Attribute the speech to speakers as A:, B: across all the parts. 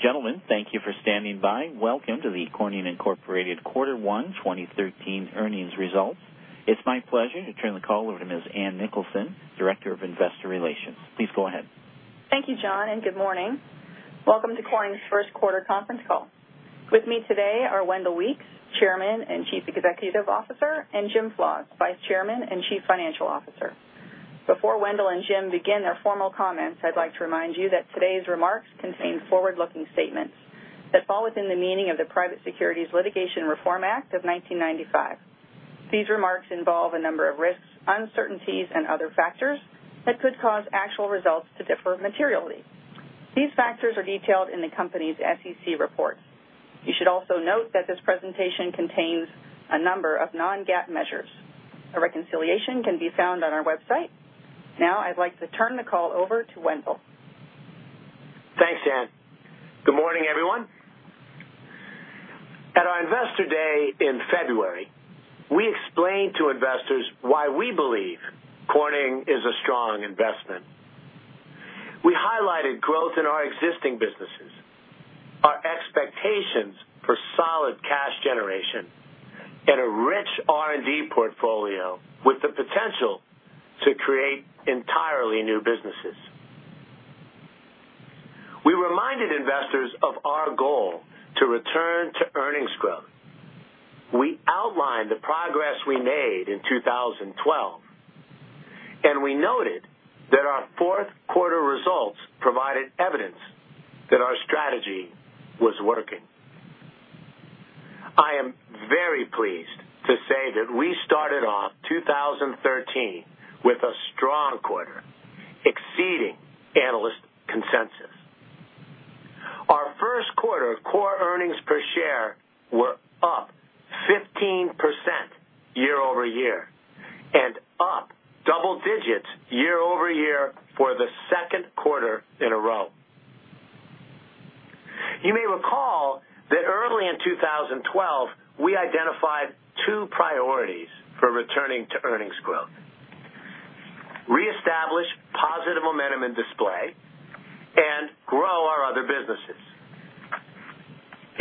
A: Ladies and gentlemen, thank you for standing by. Welcome to the Corning Incorporated Quarter 1 2013 earnings results. It's my pleasure to turn the call over to Ms. Ann Nicholson, Director of Investor Relations. Please go ahead.
B: Thank you, John. Good morning. Welcome to Corning's first quarter conference call. With me today are Wendell Weeks, Chairman and Chief Executive Officer, and Jim Flaws, Vice Chairman and Chief Financial Officer. Before Wendell and Jim begin their formal comments, I'd like to remind you that today's remarks contain forward-looking statements that fall within the meaning of the Private Securities Litigation Reform Act of 1995. These remarks involve a number of risks, uncertainties, and other factors that could cause actual results to differ materially. These factors are detailed in the company's SEC reports. You should also note that this presentation contains a number of non-GAAP measures. A reconciliation can be found on our website. Now I'd like to turn the call over to Wendell.
C: Thanks, Anne. Good morning, everyone. At our investor day in February, we explained to investors why we believe Corning is a strong investment. We highlighted growth in our existing businesses, our expectations for solid cash generation, and a rich R&D portfolio with the potential to create entirely new businesses. We reminded investors of our goal to return to earnings growth. We outlined the progress we made in 2012. We noted that our fourth quarter results provided evidence that our strategy was working. I am very pleased to say that we started off 2013 with a strong quarter, exceeding analyst consensus. Our first quarter core earnings per share were up 15% year-over-year, up double digits year-over-year for the second quarter in a row. You may recall that early in 2012, we identified two priorities for returning to earnings growth, reestablish positive momentum in display, and grow our other businesses.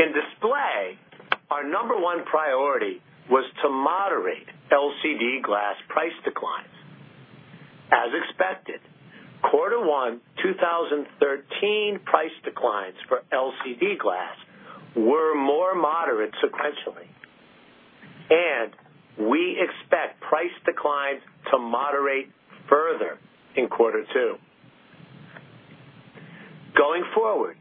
C: In display, our number one priority was to moderate LCD glass price declines. As expected, quarter one 2013 price declines for LCD glass were more moderate sequentially. We expect price declines to moderate further in quarter two. Going forward,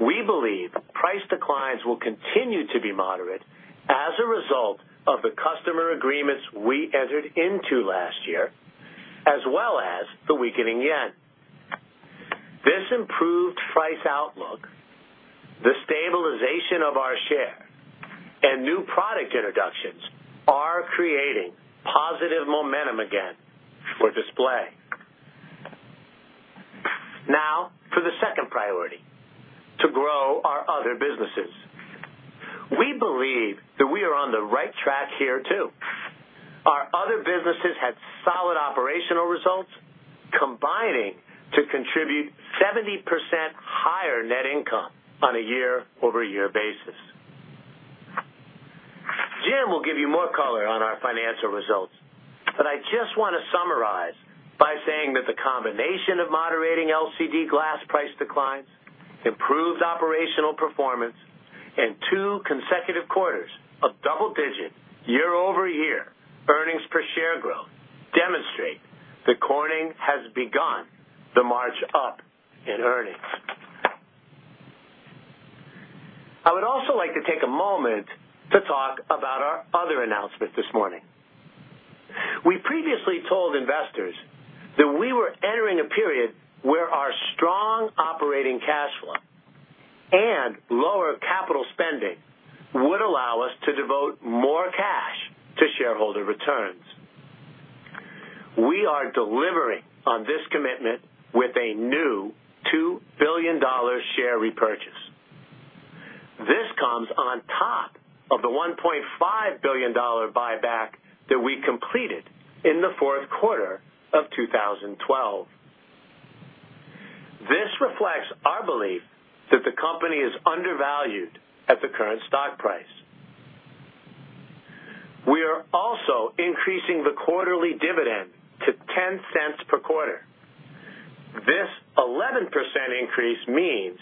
C: we believe price declines will continue to be moderate as a result of the customer agreements we entered into last year, as well as the weakening yen. This improved price outlook, the stabilization of our share, and new product introductions are creating positive momentum again for display. Now for the second priority, to grow our other businesses. We believe that we are on the right track here too. Our other businesses had solid operational results, combining to contribute 70% higher net income on a year-over-year basis. Jim will give you more color on our financial results. I just want to summarize by saying that the combination of moderating LCD glass price declines, improved operational performance, and two consecutive quarters of double-digit year-over-year earnings per share growth demonstrate that Corning has begun the march up in earnings. I would also like to take a moment to talk about our other announcement this morning. We previously told investors that we were entering a period where our strong operating cash flow and lower capital spending would allow us to devote more cash to shareholder returns. We are delivering on this commitment with a new $2 billion share repurchase. This comes on top of the $1.5 billion buyback that we completed in the fourth quarter of 2012. This reflects our belief that the company is undervalued at the current stock price. We are also increasing the quarterly dividend to $0.10 per quarter. This 11% increase means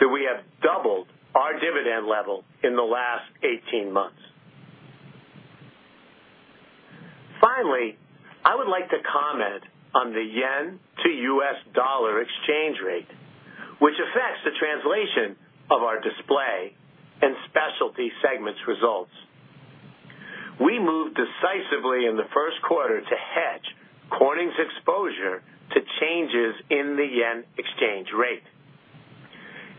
C: that we have doubled our dividend level in the last 18 months. Finally, I would like to comment on the yen to US dollar exchange rate, which affects the translation of our Display and specialty segments results. We moved decisively in the first quarter to hedge Corning's exposure to changes in the yen exchange rate.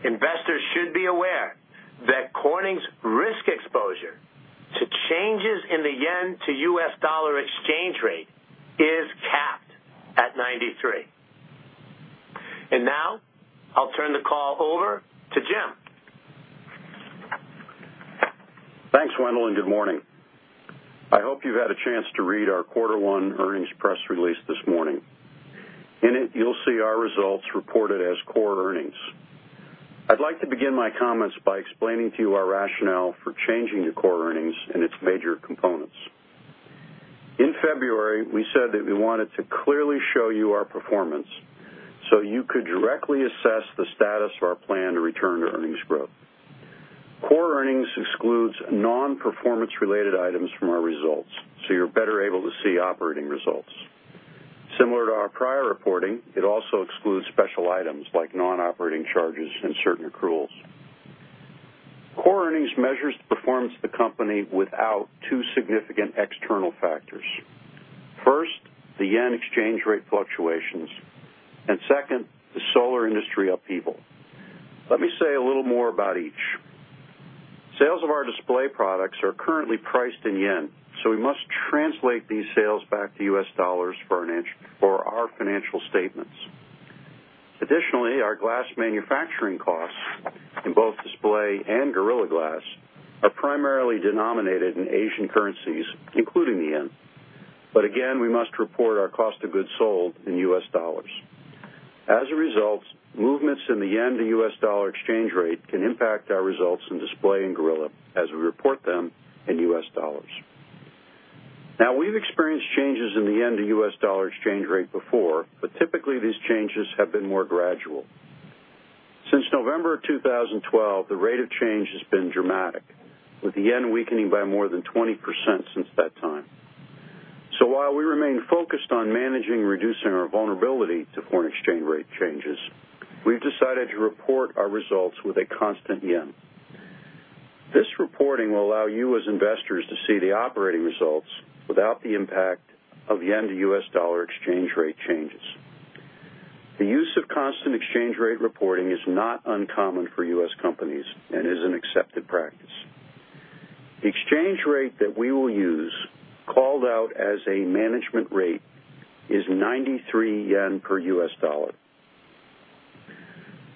C: Investors should be aware that Corning's risk exposure to changes in the yen to US dollar exchange rate is capped at 93. Now, I'll turn the call over to Jim.
D: Thanks, Wendell, and good morning. I hope you've had a chance to read our quarter one earnings press release this morning. In it, you'll see our results reported as core earnings. I'd like to begin my comments by explaining to you our rationale for changing to core earnings and its major components. In February, we said that we wanted to clearly show you our performance so you could directly assess the status of our plan to return to earnings growth. Core earnings excludes non-performance related items from our results, so you're better able to see operating results. Similar to our prior reporting, it also excludes special items like non-operating charges and certain accruals. Core earnings measures the performance of the company without two significant external factors. First, the yen exchange rate fluctuations. Second, the solar industry upheaval. Let me say a little more about each. Sales of our Display products are currently priced in yen, so we must translate these sales back to US dollars for our financial statements. Additionally, our glass manufacturing costs in both Display and Gorilla Glass are primarily denominated in Asian currencies, including the yen. We must report our cost of goods sold in US dollars. As a result, movements in the yen to US dollar exchange rate can impact our results in Display and Gorilla as we report them in US dollars. We've experienced changes in the yen to US dollar exchange rate before, but typically these changes have been more gradual. Since November of 2012, the rate of change has been dramatic, with the JPY weakening by more than 20% since that time. While we remain focused on managing and reducing our vulnerability to foreign exchange rate changes, we've decided to report our results with a constant yen. This reporting will allow you as investors to see the operating results without the impact of yen to U.S. dollar exchange rate changes. The use of constant exchange rate reporting is not uncommon for U.S. companies and is an accepted practice. The exchange rate that we will use, called out as a management rate, is 93 yen per U.S. dollar.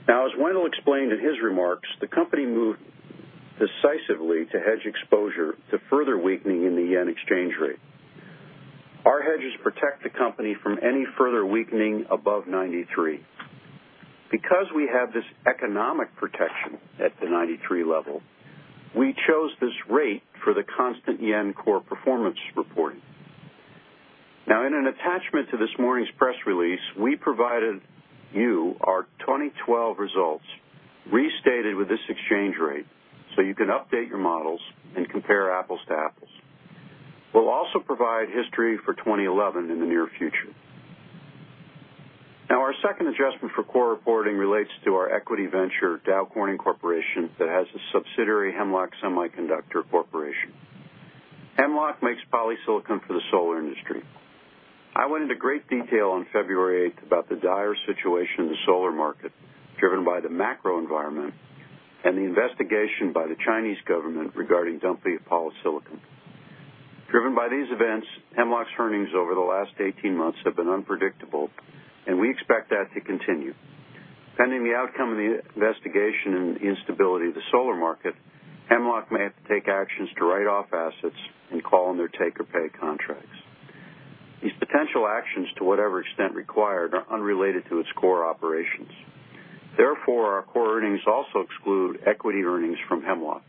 D: As Wendell explained in his remarks, the company moved decisively to hedge exposure to further weakening in the yen exchange rate. Our hedges protect the company from any further weakening above 93 JPY. Because we have this economic protection at the 93 JPY level, we chose this rate for the constant yen core performance reporting. In an attachment to this morning's press release, we provided you our 2012 results restated with this exchange rate so you can update your models and compare apples to apples. We'll also provide history for 2011 in the near future. Our second adjustment for core reporting relates to our equity venture, Dow Corning Corporation, that has a subsidiary, Hemlock Semiconductor Corporation. Hemlock makes polysilicon for the solar industry. I went into great detail on February 8th about the dire situation in the solar market, driven by the macro environment and the investigation by the Chinese government regarding dumping of polysilicon. Driven by these events, Hemlock's earnings over the last 18 months have been unpredictable, and we expect that to continue. Pending the outcome of the investigation and the instability of the solar market, Hemlock may have to take actions to write off assets and call on their take or pay contracts. These potential actions, to whatever extent required, are unrelated to its core operations. Therefore, our core earnings also exclude equity earnings from Hemlock.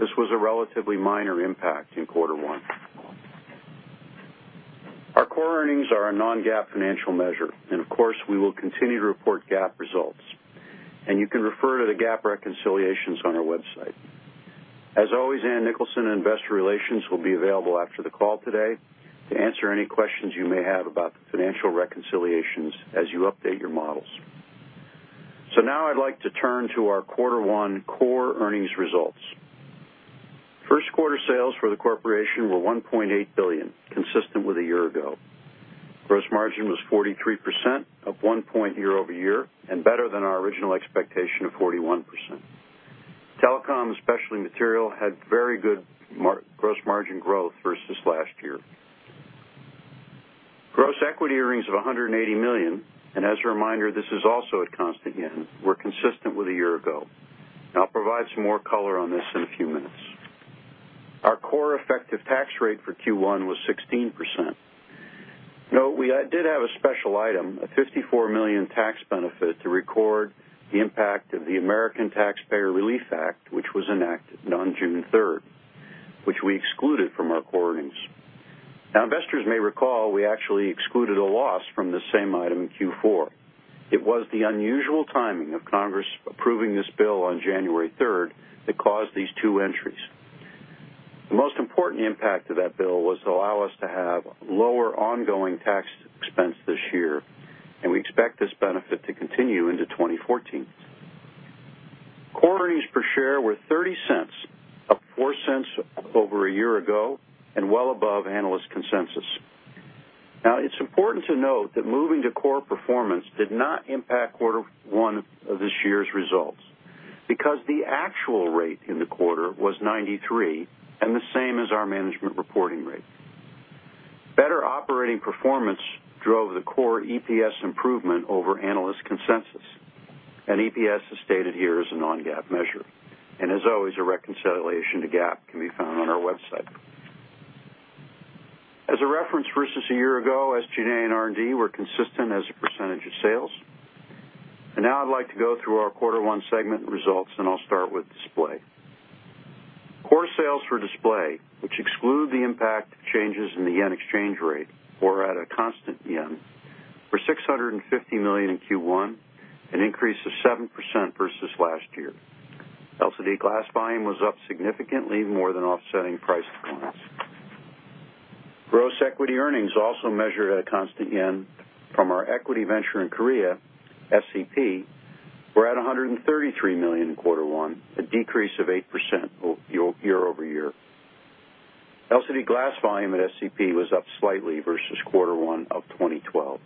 D: This was a relatively minor impact in quarter one. Our core earnings are a non-GAAP financial measure. Of course, we will continue to report GAAP results, and you can refer to the GAAP reconciliations on our website. As always, Anne Nicholson, investor relations will be available after the call today to answer any questions you may have about the financial reconciliations as you update your models. Now I'd like to turn to our quarter one core earnings results. First quarter sales for the corporation were $1.8 billion, consistent with a year ago. Gross margin was 43%, up 1 point year-over-year, and better than our original expectation of 41%. Telecom, especially material, had very good gross margin growth versus last year. Gross equity earnings of $180 million, and as a reminder, this is also at constant JPY, were consistent with a year ago. I'll provide some more color on this in a few minutes. Our core effective tax rate for Q1 was 16%. Note, we did have a special item, a $54 million tax benefit to record the impact of the American Taxpayer Relief Act, which was enacted on January 3rd, which we excluded from our core earnings. Investors may recall we actually excluded a loss from the same item in Q4. It was the unusual timing of Congress approving this bill on January 3rd that caused these two entries. The most important impact of that bill was to allow us to have lower ongoing tax expense this year, and we expect this benefit to continue into 2014. Core EPS were $0.30, up $0.04 over a year ago, and well above analyst consensus. It's important to note that moving to core performance did not impact Q1 of this year's results because the actual rate in the quarter was 93%, and the same as our management reporting rate. Operating performance drove the core EPS improvement over analyst consensus. EPS stated here is a non-GAAP measure. As always, a reconciliation to GAAP can be found on our website. As a reference versus a year ago, SG&A and R&D were consistent as a percentage of sales. Now I'd like to go through our Q1 segment results, and I'll start with Display. Core sales for Display, which exclude the impact of changes in the JPY exchange rate or at a constant JPY, were 650 million yen in Q1, an increase of 7% versus last year. LCD glass volume was up significantly more than offsetting price declines. Gross equity earnings also measured at a constant JPY from our equity venture in Korea, SCP, were 133 million in Q1, a decrease of 8% year-over-year. LCD glass volume at SCP was up slightly versus Q1 of 2012.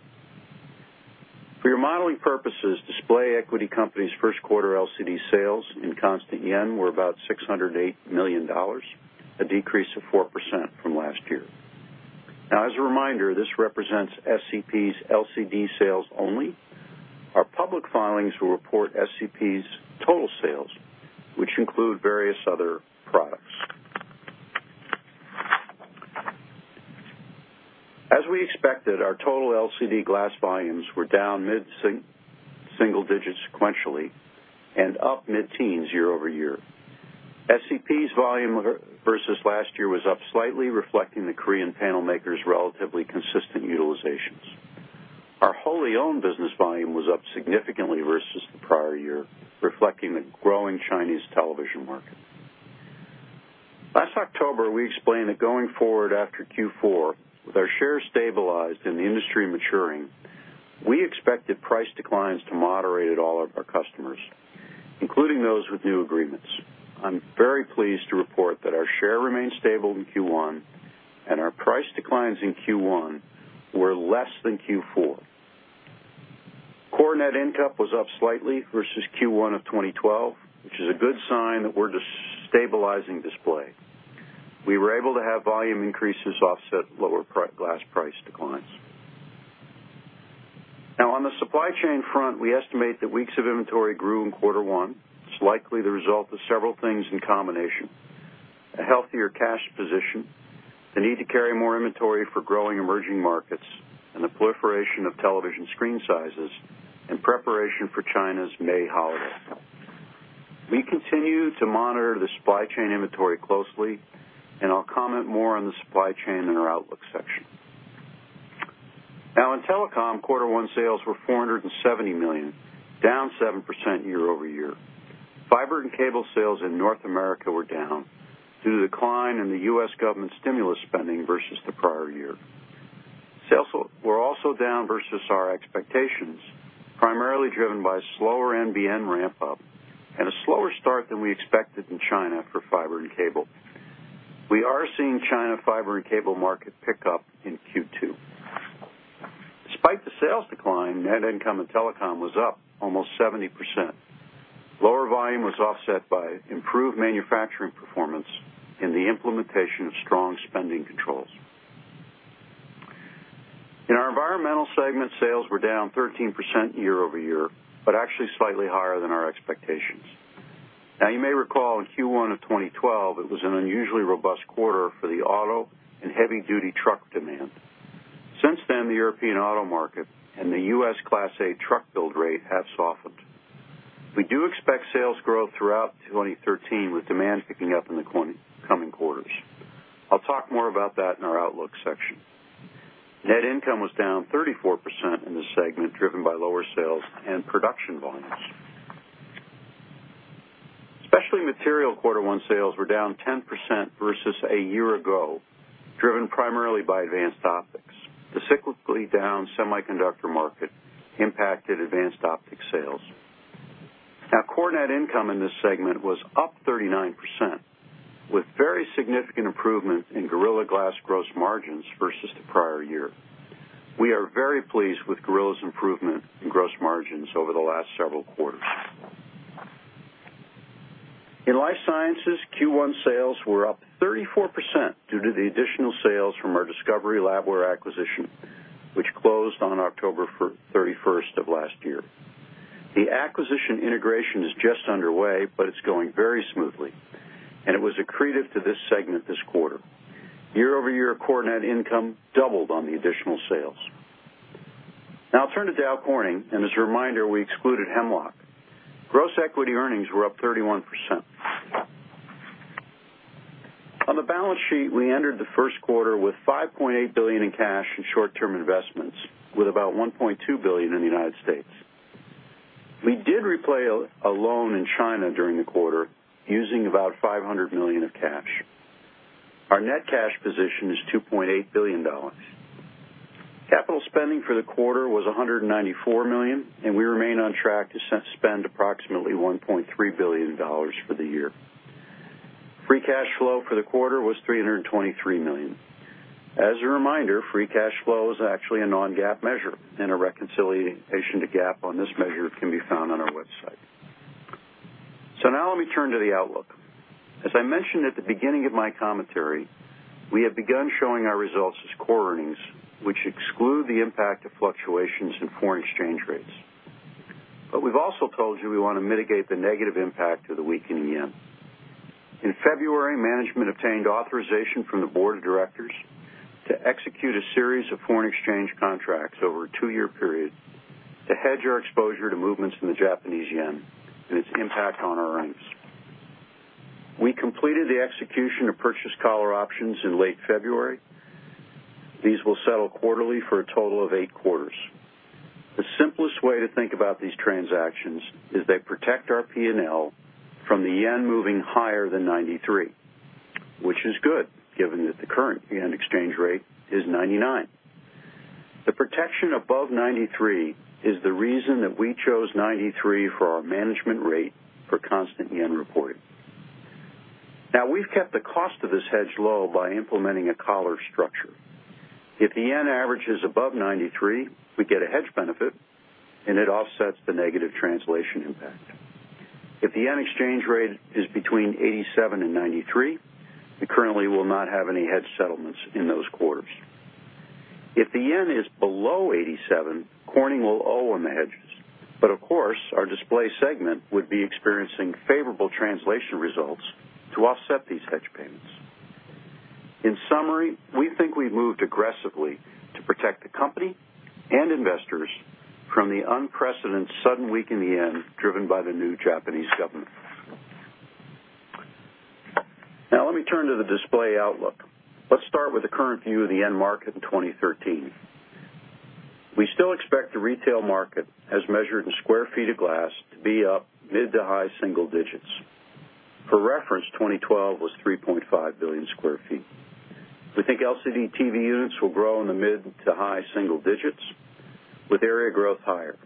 D: For your modeling purposes, Display equity company's first quarter LCD sales in constant JPY were about $608 million, a decrease of 4% from last year. As a reminder, this represents SCP's LCD sales only. Our public filings will report SCP's total sales, which include various other products. As we expected, our total LCD glass volumes were down mid-single digits sequentially and up mid-teens year-over-year. SCP's volume versus last year was up slightly, reflecting the Korean panel makers' relatively consistent utilizations. Our wholly owned business volume was up significantly versus the prior year, reflecting the growing Chinese television market. Last October, we explained that going forward after Q4, with our share stabilized and the industry maturing, we expected price declines to moderate at all of our customers, including those with new agreements. I'm very pleased to report that our share remained stable in Q1, and our price declines in Q1 were less than Q4. Core net income was up slightly versus Q1 of 2012, which is a good sign that we're stabilizing Display. We were able to have volume increases offset lower glass price declines. On the supply chain front, we estimate that weeks of inventory grew in Q1. It's likely the result of several things in combination, a healthier cash position, the need to carry more inventory for growing emerging markets, and the proliferation of television screen sizes in preparation for China's May holiday. We continue to monitor the supply chain inventory closely, and I'll comment more on the supply chain in our outlook section. In Telecom, Q1 sales were $470 million, down 7% year-over-year. Fiber and cable sales in North America were down due to the decline in the U.S. government stimulus spending versus the prior year. Sales were also down versus our expectations, primarily driven by slower NBN ramp-up and a slower start than we expected in China for fiber and cable. We are seeing China fiber and cable market pick up in Q2. Despite the sales decline, net income in telecom was up almost 70%. Lower volume was offset by improved manufacturing performance and the implementation of strong spending controls. In our environmental segment, sales were down 13% year-over-year, but actually slightly higher than our expectations. You may recall in Q1 of 2012, it was an unusually robust quarter for the auto and heavy-duty truck demand. Since then, the European auto market and the U.S. Class 8 truck build rate have softened. We do expect sales growth throughout 2013, with demand picking up in the coming quarters. I'll talk more about that in our outlook section. Net income was down 34% in this segment, driven by lower sales and production volumes. Specialty Materials quarter one sales were down 10% versus a year ago, driven primarily by advanced optics. The cyclically down semiconductor market impacted advanced optic sales. Core net income in this segment was up 39%, with very significant improvement in Gorilla Glass gross margins versus the prior year. We are very pleased with Gorilla's improvement in gross margins over the last several quarters. In life sciences, Q1 sales were up 34% due to the additional sales from our Discovery Labware acquisition, which closed on October 31st of last year. The acquisition integration is just underway, but it's going very smoothly, and it was accretive to this segment this quarter. Year-over-year, core net income doubled on the additional sales. I'll turn to Dow Corning, and as a reminder, we excluded Hemlock. Gross equity earnings were up 31%. On the balance sheet, we entered the first quarter with $5.8 billion in cash and short-term investments, with about $1.2 billion in the United States. We did repay a loan in China during the quarter using about $500 million of cash. Our net cash position is $2.8 billion. Capital spending for the quarter was $194 million, and we remain on track to spend approximately $1.3 billion for the year. Free cash flow for the quarter was $323 million. As a reminder, free cash flow is actually a non-GAAP measure, and a reconciliation to GAAP on this measure can be found on our website. Let me turn to the outlook. As I mentioned at the beginning of my commentary, we have begun showing our results as core earnings, which exclude the impact of fluctuations in foreign exchange rates. We've also told you we want to mitigate the negative impact of the weakening yen. In February, management obtained authorization from the board of directors to execute a series of foreign exchange contracts over a two-year period to hedge our exposure to movements in the Japanese yen and its impact on our earnings. We completed the execution of purchase collar options in late February. These will settle quarterly for a total of eight quarters. The simplest way to think about these transactions is they protect our P&L from the yen moving higher than 93, which is good given that the current yen exchange rate is 99. The protection above 93 is the reason that we chose 93 for our management rate for constant yen reporting. We've kept the cost of this hedge low by implementing a collar structure. If the yen average is above 93, we get a hedge benefit, and it offsets the negative translation impact. If the JPY exchange rate is between 87 and 93, we currently will not have any hedge settlements in those quarters. If the JPY is below 87, Corning will owe on the hedges, but of course, our Display Technologies segment would be experiencing favorable translation results to offset these hedge payments. In summary, we think we've moved aggressively to protect the company and investors from the unprecedented sudden weakening JPY driven by the new Japanese government. Let me turn to the display outlook. Let's start with the current view of the end market in 2013. We still expect the retail market, as measured in square feet of glass, to be up mid-to-high single digits. For reference, 2012 was 3.5 billion square feet. We think LCD TV units will grow in the mid-to-high single digits with area growth higher.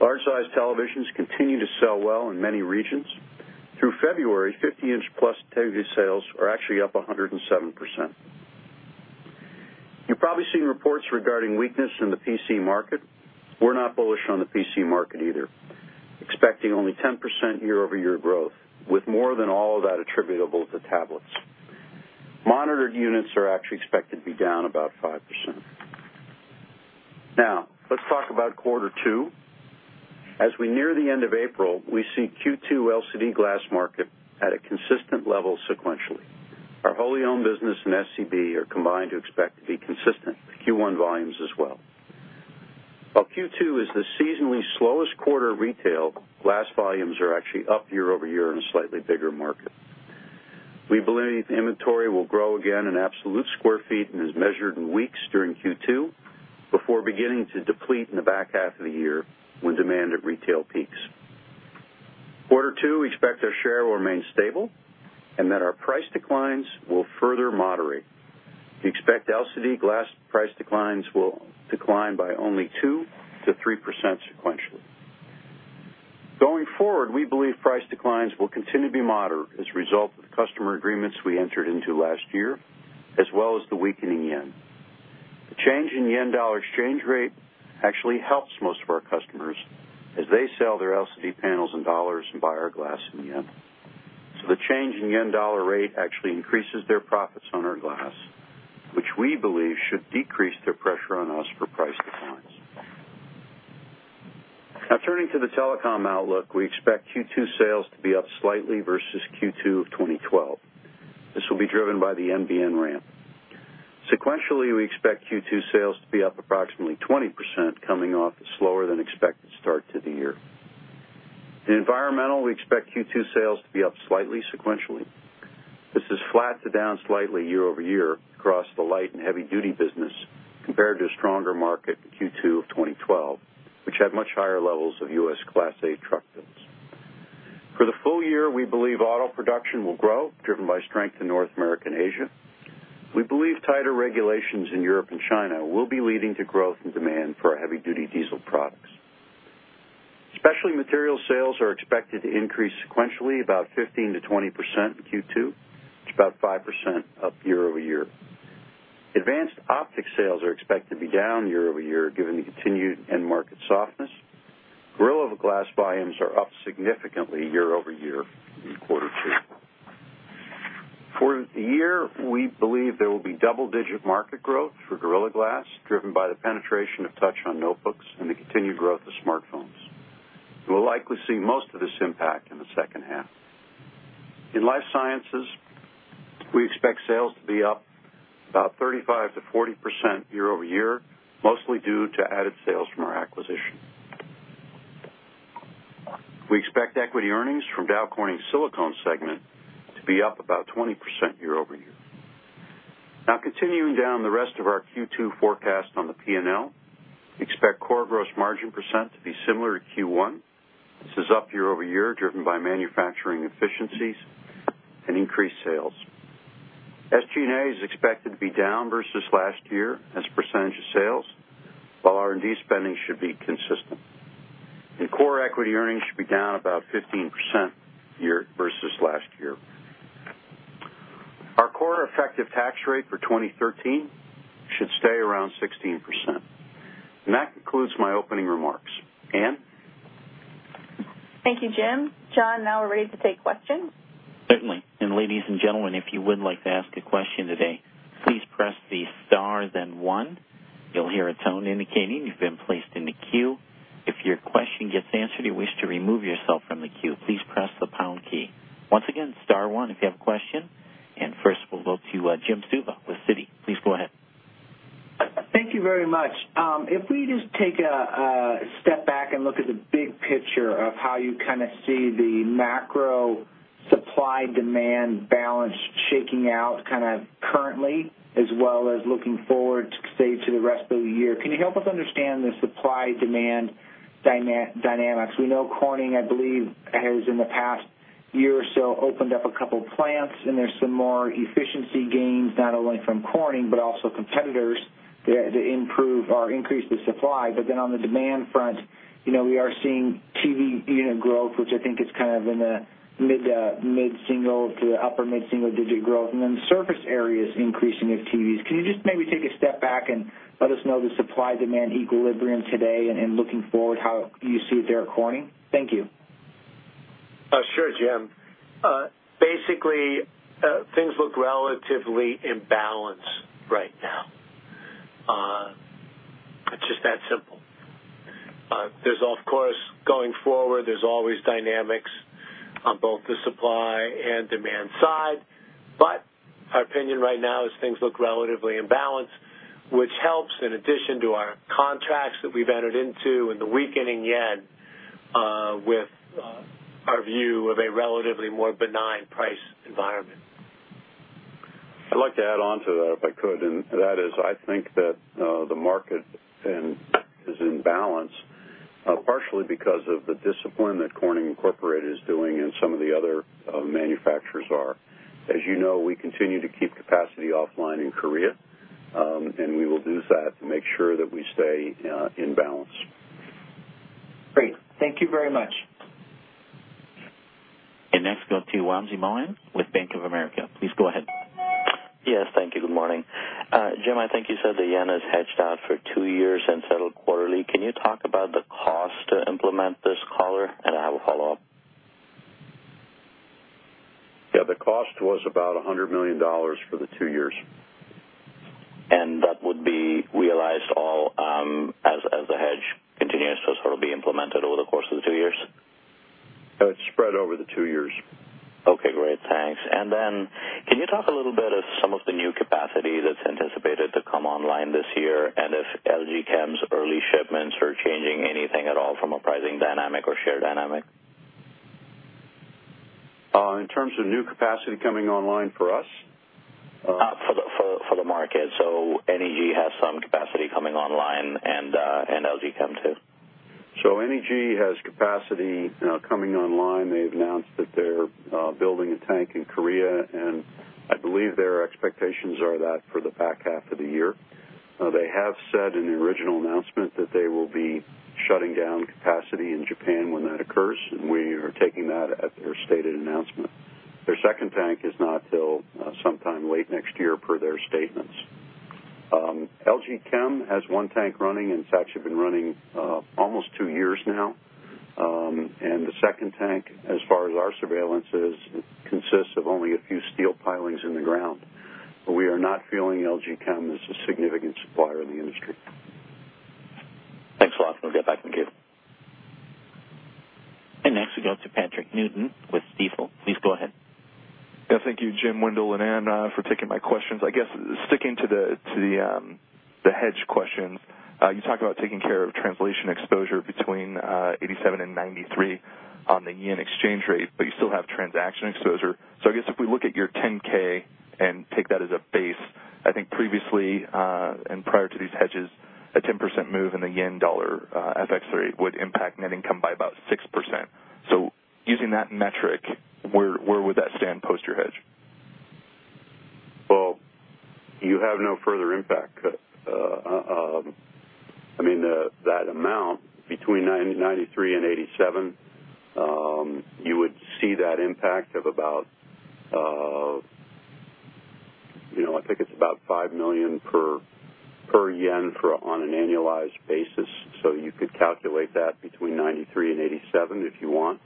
D: Large-size televisions continue to sell well in many regions. Through February, 50-inch-plus TV sales are actually up 107%. You've probably seen reports regarding weakness in the PC market. We're not bullish on the PC market either, expecting only 10% year-over-year growth with more than all of that attributable to tablets. Monitor units are actually expected to be down about 5%. Let's talk about quarter two. As we near the end of April, we see Q2 LCD glass market at a consistent level sequentially. Our wholly owned business and SCP are combined to expect to be consistent with Q1 volumes as well. While Q2 is the seasonally slowest quarter of retail, glass volumes are actually up year-over-year in a slightly bigger market. We believe inventory will grow again in absolute square feet and is measured in weeks during Q2, before beginning to deplete in the back half of the year when demand at retail peaks. Quarter two, we expect our share will remain stable and that our price declines will further moderate. We expect LCD glass price declines will decline by only 2%-3% sequentially. Going forward, we believe price declines will continue to be moderate as a result of the customer agreements we entered into last year, as well as the weakening JPY. The change in JPY-USD exchange rate actually helps most of our customers as they sell their LCD panels in USD and buy our glass in JPY. The change in JPY-USD rate actually increases their profits on our glass, which we believe should decrease their pressure on us for price declines. Turning to the telecom outlook, we expect Q2 sales to be up slightly versus Q2 of 2012. This will be driven by the NBN ramp. Sequentially, we expect Q2 sales to be up approximately 20% coming off a slower than expected start to the year. In environmental, we expect Q2 sales to be up slightly sequentially. This is flat to down slightly year-over-year across the light and heavy-duty business compared to a stronger market Q2 of 2012, which had much higher levels of U.S. Class 8 truck builds. For the full year, we believe auto production will grow, driven by strength in North America and Asia. We believe tighter regulations in Europe and China will be leading to growth in demand for our heavy-duty diesel products. Specialty materials sales are expected to increase sequentially about 15%-20% in Q2, which is about 5% up year-over-year. Advanced optic sales are expected to be down year-over-year, given the continued end market softness. Gorilla Glass volumes are up significantly year-over-year in quarter two. For the year, we believe there will be double-digit market growth for Gorilla Glass driven by the penetration of touch on notebooks and the continued growth of smartphones. We'll likely see most of this impact in the second half. In life sciences, we expect sales to be up about 35%-40% year-over-year, mostly due to added sales from our acquisition. We expect equity earnings from Dow Corning Silicones segment to be up about 20% year-over-year. Continuing down the rest of our Q2 forecast on the P&L, we expect core gross margin % to be similar to Q1. This is up year-over-year, driven by manufacturing efficiencies and increased sales. SG&A is expected to be down versus last year as a percentage of sales, while R&D spending should be consistent, core equity earnings should be down about 15% versus last year. Our effective tax rate for 2013 should stay around 16%. That concludes my opening remarks. Ann?
B: Thank you, Jim. John, we're ready to take questions.
A: Certainly. Ladies and gentlemen, if you would like to ask a question today, please press the star one. You'll hear a tone indicating you've been placed in the queue. If your question gets answered or you wish to remove yourself from the queue, please press the pound key. Once again, star one if you have a question. First, we'll go to Jim Suva with Citi. Please go ahead.
E: Thank you very much. If we just take a step back and look at the big picture of how you kind of see the macro supply-demand balance shaking out kind of currently, as well as looking forward to, say, to the rest of the year. Can you help us understand the supply-demand dynamics? We know Corning, I believe, has in the past year or so opened up a couple plants, and there's some more efficiency gains not only from Corning, but also competitors to improve or increase the supply. On the demand front, we are seeing TV unit growth, which I think is kind of in the mid-single to upper mid-single digit growth. Surface areas increasing with TVs. Can you just maybe take a step back and let us know the supply-demand equilibrium today, and looking forward, how you see it there at Corning? Thank you.
C: Sure, Jim. Basically, things look relatively in balance right now. It's just that simple. There's, of course, going forward, there's always dynamics on both the supply and demand side, but our opinion right now is things look relatively in balance, which helps in addition to our contracts that we've entered into and the weakening JPY, with our view of a relatively more benign price environment.
D: I'd like to add on to that, if I could. That is, I think that the market is in balance partially because of the discipline that Corning Incorporated is doing and some of the other manufacturers are. As you know, we continue to keep capacity offline in Korea, we will do that to make sure that we stay in balance.
E: Great. Thank you very much.
A: Next we'll go to Wamsi Mohan with Bank of America. Please go ahead.
F: Yes, thank you. Good morning. Jim, I think you said the yen is hedged out for two years and settled quarterly. Can you talk about the cost to implement this collar? I have a follow-up.
D: The cost was about $100 million for the two years.
F: That would be realized all as the hedge continues, so it'll be implemented over the course of the two years?
D: It's spread over the two years.
F: Okay, great. Thanks. Then can you talk a little bit of some of the new capacity that's anticipated to come online this year, and if LG Chem's early shipments are changing anything at all from a pricing dynamic or share dynamic?
D: In terms of new capacity coming online for us?
F: For the market. NEG has some capacity coming online, and LG Chem, too.
D: NEG has capacity coming online. They've announced that they're building a tank in Korea, and I believe their expectations are that for the back half of the year. They have said in the original announcement that they will be shutting down capacity in Japan when that occurs, and we are taking that at their stated announcement. Their second tank is not till sometime late next year, per their statements. LG Chem has one tank running, and it's actually been running almost two years now. The second tank, as far as our surveillance is, consists of only a few steel pilings in the ground. We are not feeling LG Chem is a significant supplier in the industry.
F: Thanks a lot. I'll get back with you.
A: Next we go to Patrick Newton with Stifel. Please go ahead.
G: Thank you, Jim, Wendell, and Anne, for taking my questions. I guess sticking to the hedge questions, you talked about taking care of translation exposure between 87 and 93 on the yen exchange rate, but you still have transaction exposure. I guess if we look at your 10-K and take that as a base, I think previously, and prior to these hedges, a 10% move in the yen-dollar FX rate would impact net income by about 6%. Using that metric, where would that stand post your hedge?
D: Well, you have no further impact. That amount between 93 and 87, you would see that impact of about, I think it's about $5 million per yen on an annualized basis. You could calculate that between 93 and 87 if you want.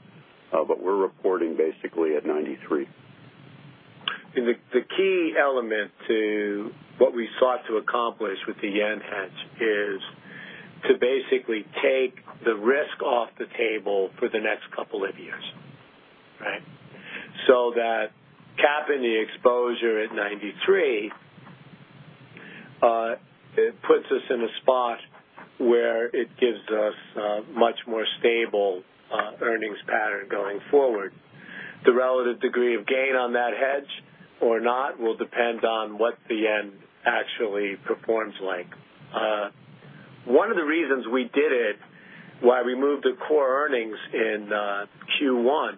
D: We're reporting basically at 93.
C: The key element to what we sought to accomplish with the yen hedge is to basically take the risk off the table for the next couple of years. Right? That capping the exposure at 93, it puts us in a spot where it gives us a much more stable earnings pattern going forward. The relative degree of gain on that hedge or not will depend on what the yen actually performs like. One of the reasons we did it, why we moved to core earnings in Q1,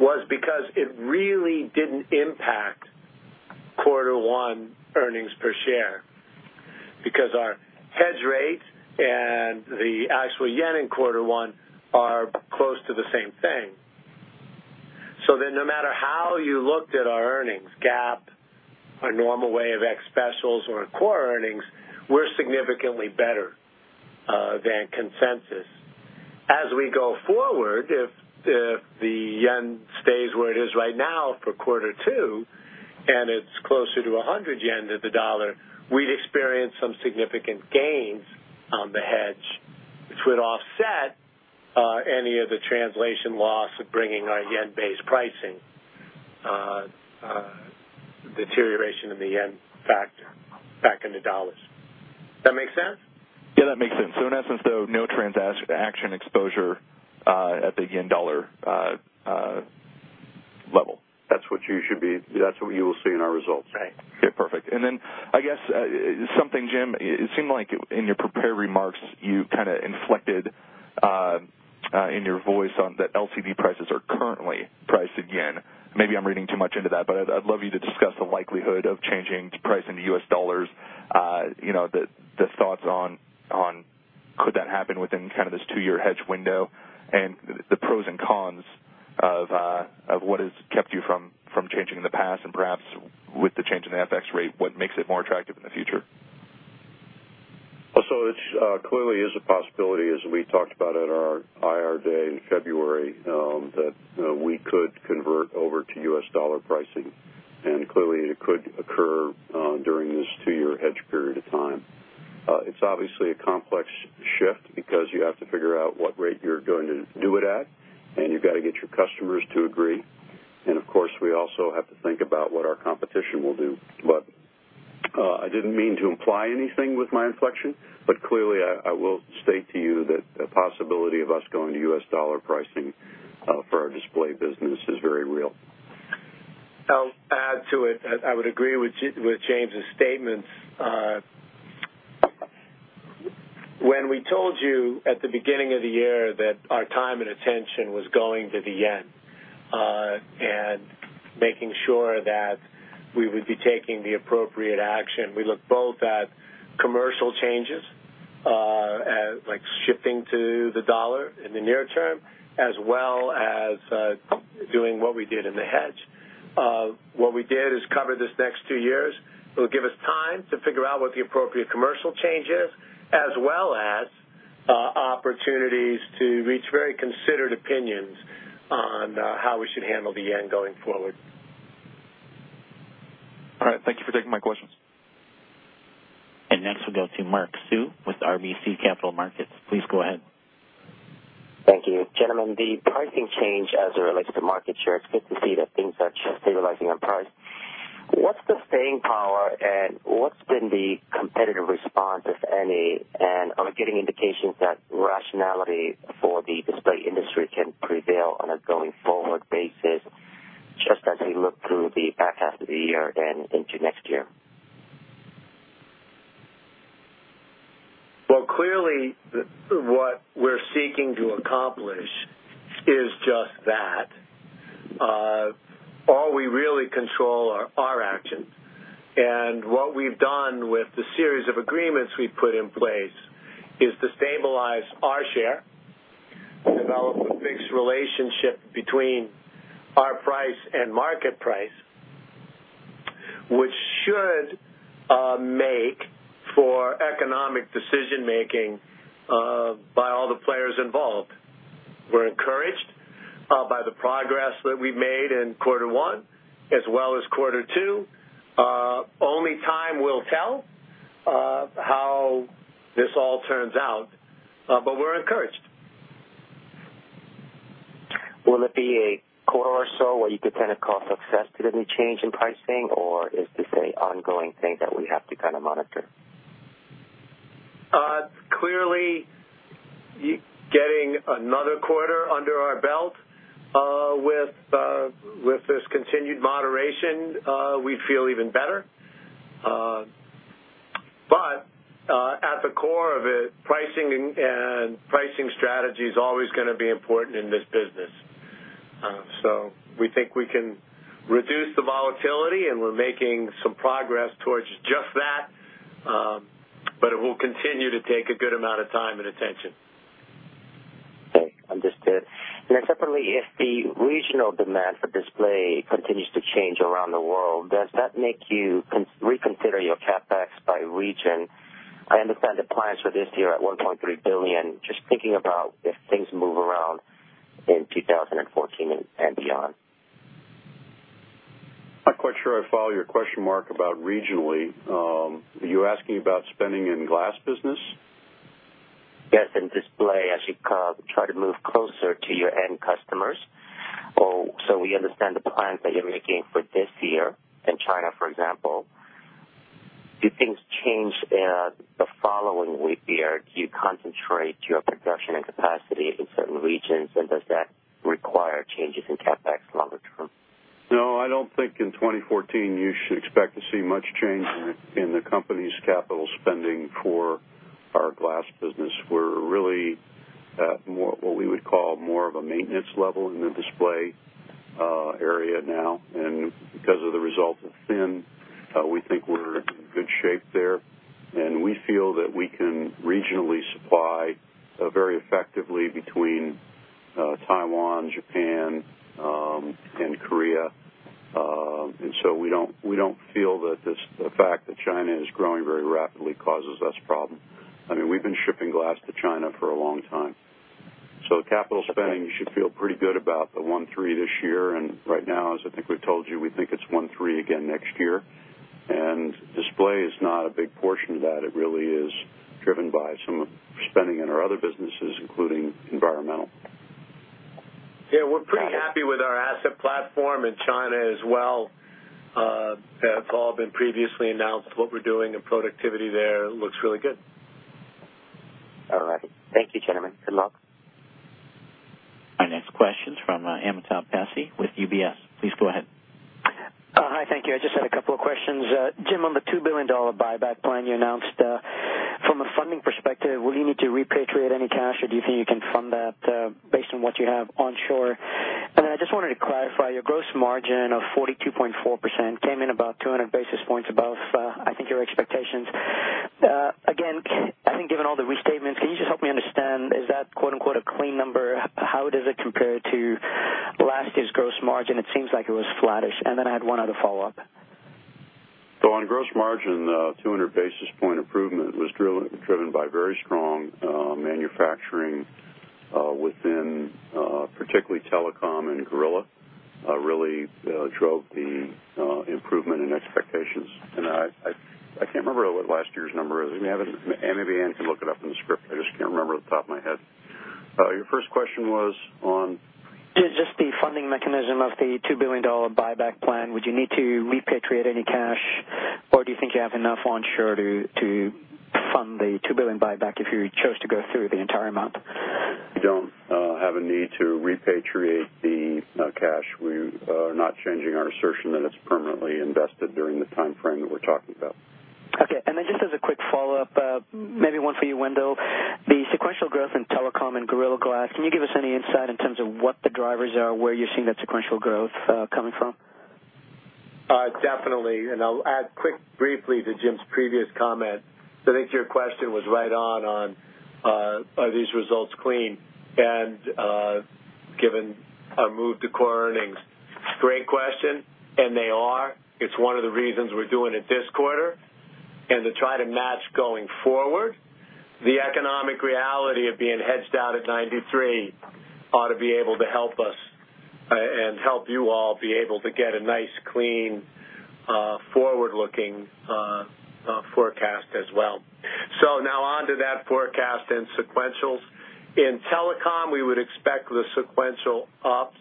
C: was because it really didn't impact quarter one earnings per share, because the actual yen in quarter one are close to the same thing. No matter how you looked at our earnings gap, our normal way of ex specials or our core earnings, we're significantly better than consensus. As we go forward, if the yen stays where it is right now for quarter two, and it's closer to 100 yen to the US dollar, we'd experience some significant gains on the hedge, which would offset any of the translation loss of bringing our yen-based pricing deterioration in the yen back into US dollars. Does that make sense?
G: Yeah, that makes sense. In essence, though, no transaction exposure at the yen-dollar level.
C: That's what you will see in our results.
G: Okay, perfect. I guess something, Jim, it seemed like in your prepared remarks, you kind of inflected in your voice on that LCD prices are currently priced in yen. Maybe I'm reading too much into that, but I'd love you to discuss the likelihood of changing to pricing U.S. dollars. Just thoughts on could that happen within kind of this two-year hedge window and the pros and cons of what has kept you from changing in the past and perhaps with the change in the FX rate, what makes it more attractive in the future?
D: It clearly is a possibility, as we talked about at our IR day in February, that we could convert over to U.S. dollar pricing, clearly, it could occur during this two-year hedge period of time. It's obviously a complex shift because you have to figure out what rate you're going to do it at, and you've got to get your customers to agree. Of course, we also have to think about what our competition will do. I didn't mean to imply anything with my inflection, clearly, I will state to you that the possibility of us going to U.S. dollar pricing for our display business is very real.
C: I'll add to it. I would agree with James' statements. When we told you at the beginning of the year that our time and attention was going to the yen, and making sure that we would be taking the appropriate action, we looked both at commercial changes, like shifting to the dollar in the near term, as well as doing what we did in the hedge. What we did is cover these next two years. It'll give us time to figure out what the appropriate commercial change is, as well as opportunities to reach very considered opinions on how we should handle the yen going forward.
G: All right. Thank you for taking my questions.
A: Next we'll go to Mark Sue with RBC Capital Markets. Please go ahead.
H: Thank you. Gentlemen, the pricing change as it relates to market share, it's good to see that things are stabilizing on price. What's the staying power and what's been the competitive response, if any, and are we getting indications that rationality for the display industry can prevail on a going-forward basis, just as we look through the back half of the year and into next year?
C: Clearly, what we're seeking to accomplish is just that. All we really control are our actions. What we've done with the series of agreements we've put in place is to stabilize our share, develop a fixed relationship between our price and market price, which should make for economic decision-making by all the players involved. We're encouraged by the progress that we've made in quarter one as well as quarter two. Only time will tell how this all turns out, but we're encouraged.
H: Will it be a quarter or so where you could kind of call success to the change in pricing, or is this a ongoing thing that we have to kind of monitor?
C: Clearly, getting another quarter under our belt with this continued moderation, we'd feel even better. At the core of it, pricing and pricing strategy is always going to be important in this business. We think we can reduce the volatility, and we're making some progress towards just that, but it will continue to take a good amount of time and attention.
H: Okay. Understood. Separately, if the regional demand for Display Technologies continues to change around the world, does that make you reconsider your CapEx by region? I understand the plans for this year at $1.3 billion. Just thinking about if things move around in 2014 and beyond.
D: Not quite sure I follow your question, Mark, about regionally. Are you asking about spending in glass business?
H: Yes, in Display Technologies, as you try to move closer to your end customers, we understand the plans that you're making for this year in China, for example. Do things change in the following year? Do you concentrate your production and capacity in certain regions, and does that require changes in CapEx longer term?
D: No, I don't think in 2014 you should expect to see much change in the company's capital spending for our glass business. We're really at what we would call more of a maintenance level in the Display Technologies area now, because of the results of thin, we think we're in good shape there. We feel that we can regionally supply very effectively between Taiwan, Japan, and Korea. We don't feel that the fact that China is growing very rapidly causes us a problem. We've been shipping glass to China for a long time. The capital spending, you should feel pretty good about the one three this year. Right now, as I think we've told you, we think it's one three again next year. Display Technologies is not a big portion of that. It really is driven by some spending in our other businesses, including Environmental.
C: Yeah, we're pretty happy with our asset platform in China as well. That's all been previously announced. What we're doing in productivity there looks really good.
H: All right. Thank you, gentlemen. Good luck.
A: Our next question's from Amitabh Passi with UBS. Please go ahead.
I: Hi, thank you. I just had a couple of questions. Jim, on the $2 billion buyback plan you announced, from a funding perspective, will you need to repatriate any cash, or do you think you can fund that based on what you have on shore? I just wanted to clarify your gross margin of 42.4% came in about 200 basis points above, your expectations. Given all the restatements, can you just help me understand, is that "a clean number"? How does it compare to last year's gross margin? It seems like it was flattish. I had one other follow-up.
D: On gross margin, the 200 basis point improvement was driven by very strong manufacturing within particularly telecom and Gorilla, really drove the improvement in expectations. I can't remember what last year's number is. Maybe Ann can look it up in the script. I just can't remember off the top of my head. Your first question was on
I: Just the funding mechanism of the $2 billion buyback plan. Would you need to repatriate any cash, or do you think you have enough onshore to fund the $2 billion buyback if you chose to go through the entire amount?
D: We don't have a need to repatriate the cash. We are not changing our assertion that it's permanently invested during the timeframe that we're talking about.
I: Okay. Just as a quick follow-up, maybe one for you, Wendell. The sequential growth in telecom and Gorilla Glass, can you give us any insight in terms of what the drivers are, where you're seeing that sequential growth coming from?
C: Definitely, and I'll add quick briefly to Jim's previous comment. I think your question was right on, are these results clean and given our move to core earnings. Great question, and they are. It's one of the reasons we're doing it this quarter and to try to match going forward. The economic reality of being hedged out at 93 ought to be able to help us and help you all be able to get a nice, clean, forward-looking forecast as well. Now on to that forecast and sequentials. In telecom, we would expect the sequential ups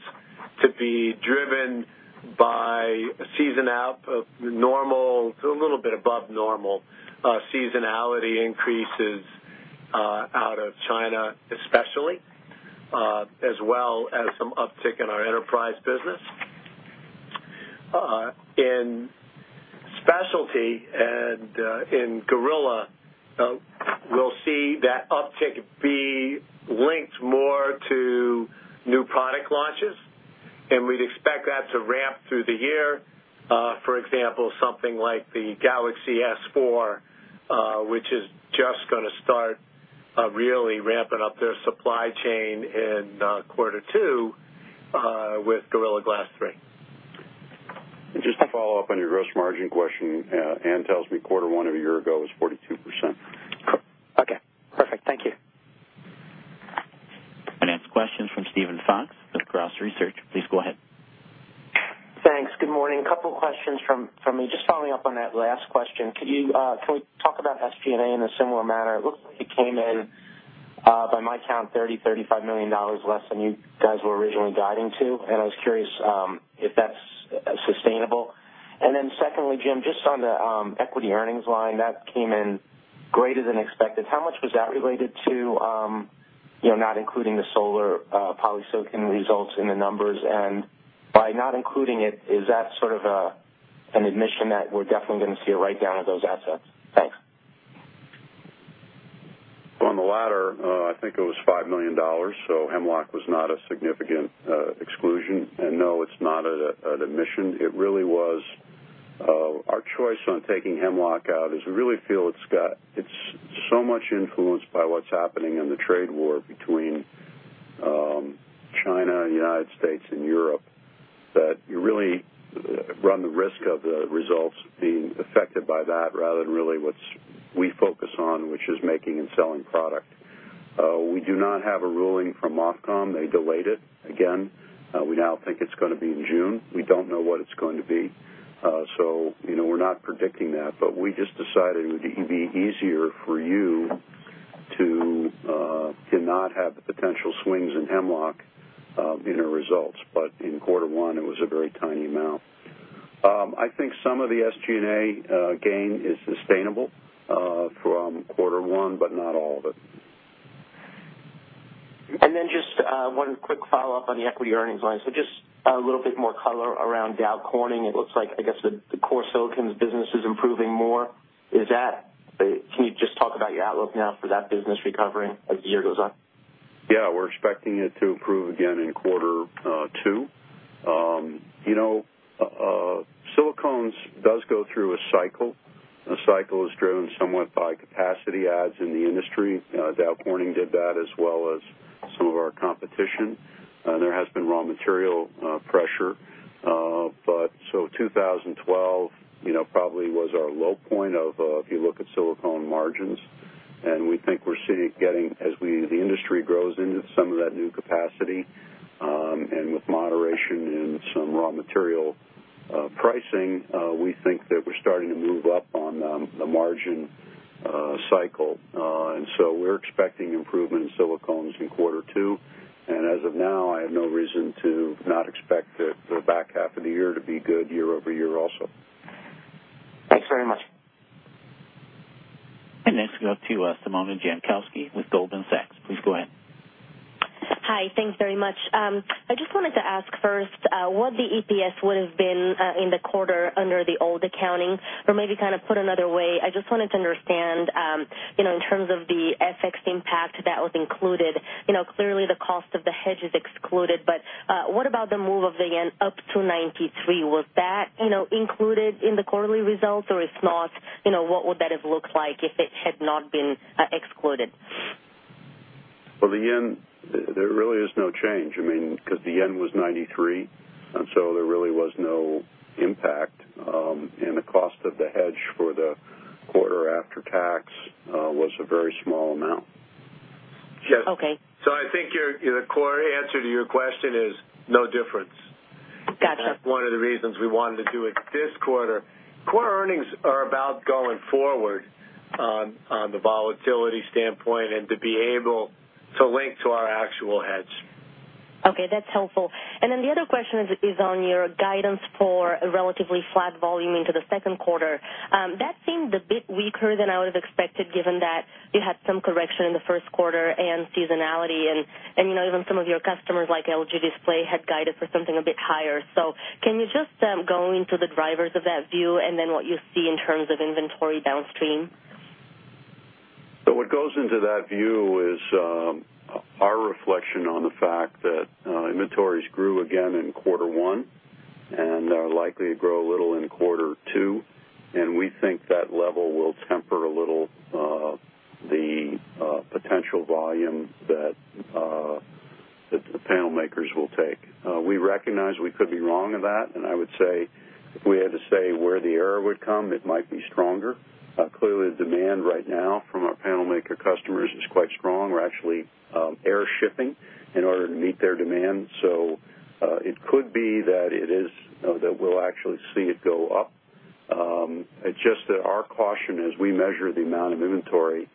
C: to be driven by season out of normal to a little bit above normal seasonality increases out of China especially, as well as some uptick in our enterprise business. In specialty and in Gorilla, we'll see that uptick be linked more to new product launches. We'd expect that to ramp through the year. For example, something like the Galaxy S4, which is just gonna start really ramping up their supply chain in quarter two with Gorilla Glass 3.
D: Just to follow up on your gross margin question, Ann tells me quarter one of a year ago was 42%.
I: Okay, perfect. Thank you.
A: Our next question's from Steven Fox with Cross Research. Please go ahead.
J: Thanks. Good morning. Couple questions from me. Just following up on that last question, can we talk about SG&A in a similar manner? It looks like it came in, by my count, $30, $35 million less than you guys were originally guiding to. I was curious if that's sustainable. Secondly, Jim, just on the equity earnings line, that came in greater than expected. How much was that related to not including the solar polysilicon results in the numbers? By not including it, is that sort of an admission that we're definitely gonna see a write-down of those assets? Thanks.
D: On the latter, I think it was $5 million, so Hemlock was not a significant exclusion. No, it's not an admission. Our choice on taking Hemlock out is we really feel it's so much influenced by what's happening in the trade war between China and the U.S. and Europe, that you really run the risk of the results being affected by that rather than really what we focus on, which is making and selling product. We do not have a ruling from MOFCOM. They delayed it again. We now think it's gonna be in June. We don't know what it's going to be. We're not predicting that, but we just decided it would be easier for you to not have the potential swings in Hemlock in our results. In quarter one, it was a very tiny amount. I think some of the SG&A gain is sustainable from quarter one, but not all of it.
J: Just one quick follow-up on the equity earnings line. Just a little bit more color around Dow Corning. It looks like, I guess, the core silicones business is improving more. Is that?
K: outlook now for that business recovering as the year goes on?
D: Yeah, we're expecting it to improve again in quarter two. Silicones does go through a cycle. A cycle is driven somewhat by capacity adds in the industry. Dow Corning did that as well as some of our competition. There has been raw material pressure. 2012 probably was our low point if you look at silicone margins. We think as the industry grows into some of that new capacity, with moderation in some raw material pricing, we think that we're starting to move up on the margin cycle. We're expecting improvement in silicones in quarter two, as of now, I have no reason to not expect the back half of the year to be good year-over-year also.
J: Thanks very much.
A: Next we go to Simona Jankowski with Goldman Sachs. Please go ahead.
L: Hi. Thanks very much. I just wanted to ask first what the EPS would've been in the quarter under the old accounting, or maybe kind of put another way, I just wanted to understand in terms of the FX impact that was included. Clearly, the cost of the hedge is excluded, but what about the move of the yen up to 93? Was that included in the quarterly results, or if not, what would that have looked like if it had not been excluded?
D: Well, the yen, there really is no change, because the yen was 93. There really was no impact. The cost of the hedge for the quarter after tax was a very small amount.
L: Okay.
C: I think the core answer to your question is no difference.
L: Got you.
C: That's one of the reasons we wanted to do it this quarter. Core earnings are about going forward on the volatility standpoint and to be able to link to our actual hedge.
L: Okay, that's helpful. The other question is on your guidance for a relatively flat volume into the second quarter. That seemed a bit weaker than I would've expected given that you had some correction in the first quarter and seasonality and even some of your customers like LG Display had guided for something a bit higher. Can you just go into the drivers of that view and then what you see in terms of inventory downstream?
D: What goes into that view is our reflection on the fact that inventories grew again in quarter one and are likely to grow a little in quarter two. We think that level will temper a little the potential volume that the panel makers will take. We recognize we could be wrong in that, and I would say if we had to say where the error would come, it might be stronger. Clearly, the demand right now from our panel maker customers is quite strong. We're actually air shipping in order to meet their demand. It could be that we'll actually see it go up. It's just that our caution as we measure the amount of inventory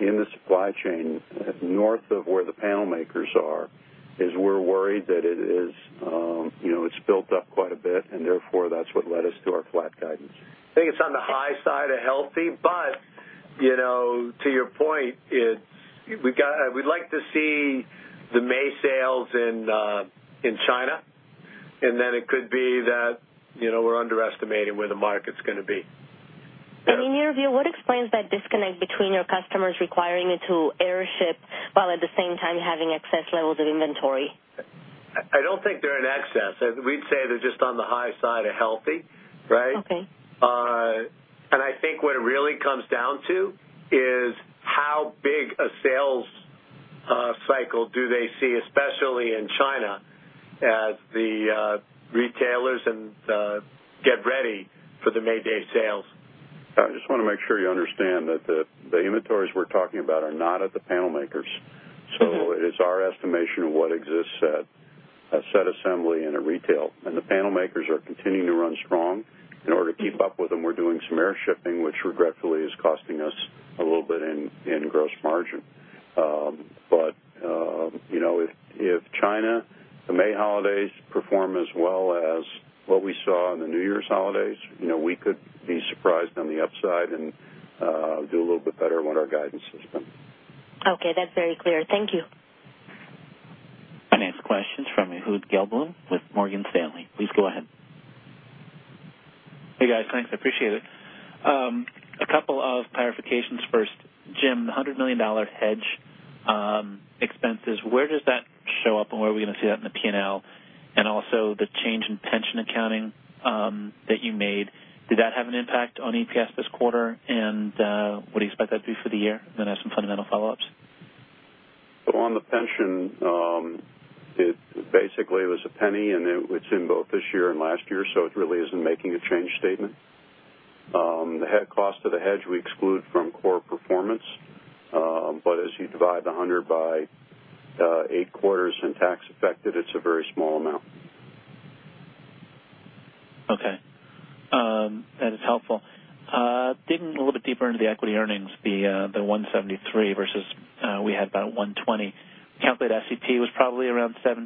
D: in the supply chain north of where the panel makers are, is we're worried that it's built up quite a bit and therefore that's what led us to our flat guidance.
C: I think it's on the high side of healthy, but to your point, we'd like to see the May sales in China, and then it could be that we're underestimating where the market's going to be.
L: In your view, what explains that disconnect between your customers requiring you to air ship while at the same time having excess levels of inventory?
C: I don't think they're in excess. We'd say they're just on the high side of healthy. Right?
L: Okay.
C: I think what it really comes down to is how big a sales cycle do they see, especially in China as the retailers get ready for the May Day sales.
D: I just want to make sure you understand that the inventories we're talking about are not at the panel makers. It is our estimation of what exists at a set assembly in a retail. The panel makers are continuing to run strong. In order to keep up with them, we're doing some air shipping, which regretfully is costing us a little bit in gross margin. If China, the May holidays perform as well as what we saw in the New Year's holidays, we could be surprised on the upside and do a little bit better than what our guidance has been.
L: Okay. That's very clear. Thank you.
A: Finance questions from Ehud Gelblum with Morgan Stanley. Please go ahead.
K: Hey guys. Thanks. I appreciate it. A couple of clarifications. First, Jim, the $100 million hedge expenses, where does that show up and where are we going to see that in the P&L? Also the change in pension accounting that you made, did that have an impact on EPS this quarter? What do you expect that to be for the year? I have some fundamental follow-ups.
D: On the pension, it basically was $0.01, it's in both this year and last year. It really isn't making a change statement. The cost of the hedge we exclude from core performance. As you divide the 100 by 8 quarters and tax affected, it's a very small amount.
K: Okay. That is helpful. Digging a little bit deeper into the equity earnings, the 173 versus we had about 120. [Calculated SCP] was probably around $17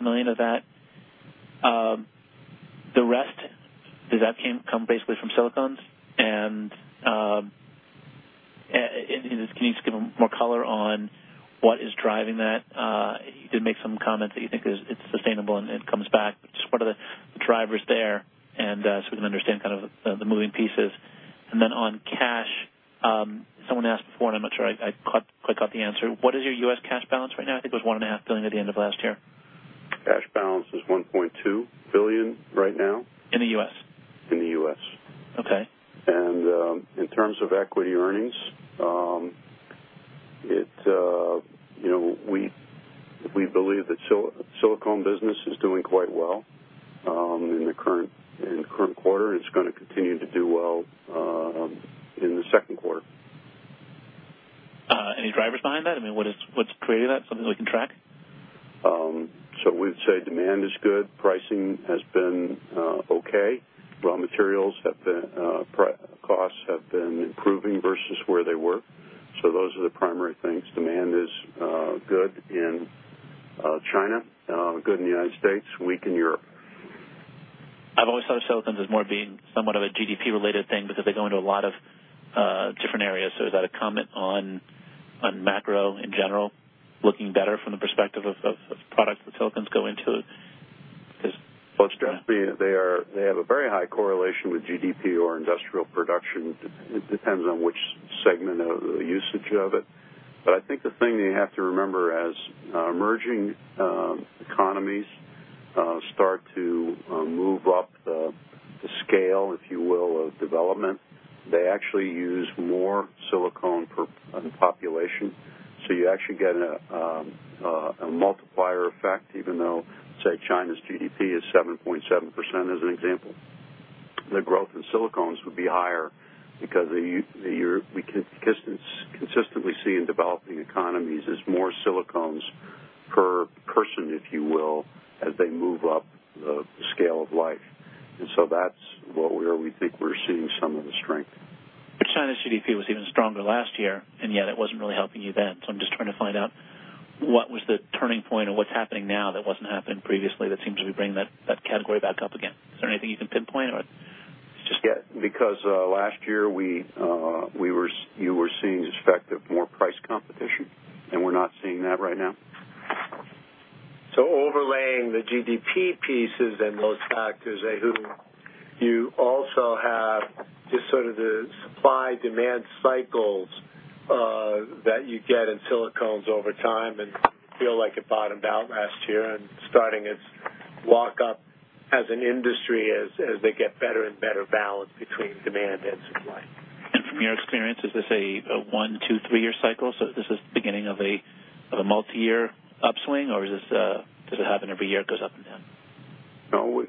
K: million of that. The rest, does that come basically from silicones? Can you just give more color on what is driving that? You did make some comments that you think it's sustainable and it comes back, just what are the drivers there, so we can understand the moving pieces. Then on cash, someone asked before, and I'm not sure, I quite got the answer. What is your U.S. cash balance right now? I think it was $1.5 billion at the end of last year.
D: Cash balance is $1.2 billion right now.
K: In the U.S.?
D: In the U.S.
K: Okay.
D: In terms of equity earnings, we believe that silicone business is doing quite well in the current quarter, and it's going to continue to do well in the second quarter.
K: Any drivers behind that? What is creating that? Something that we can track?
D: We'd say demand is good, pricing has been okay. Raw material costs have been improving versus where they were. Those are the primary things. Demand is good in China, good in the U.S., weak in Europe.
K: I've always thought of silicones as more being somewhat of a GDP-related thing because they go into a lot of different areas. Is that a comment on macro in general looking better from the perspective of products that silicones go into?
D: Well, it's interesting. They have a very high correlation with GDP or industrial production. It depends on which segment of the usage of it. I think the thing that you have to remember, as emerging economies start to move up the scale, if you will, of development. They actually use more silicone per population. You actually get a multiplier effect, even though, say, China's GDP is 7.7%, as an example. The growth in silicones would be higher because we consistently see in developing economies is more silicones per person, if you will, as they move up the scale of life. That's where we think we're seeing some of the strength.
K: China's GDP was even stronger last year, and yet it wasn't really helping you then. I'm just trying to find out what was the turning point or what's happening now that wasn't happening previously that seems to be bringing that category back up again. Is there anything you can pinpoint?
D: It's just because last year, you were seeing the effect of more price competition, and we're not seeing that right now.
C: Overlaying the GDP pieces and those factors, Ehud, you also have just sort of the supply-demand cycles that you get in silicones over time, and feel like it bottomed out last year and starting its walk up as an industry, as they get better and better balance between demand and supply.
K: From your experience, is this a one, two, three-year cycle? This is the beginning of a multi-year upswing, or does it happen every year? It goes up and down.
D: No.